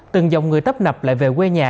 từng dòng người tấp nập lại về quê nhà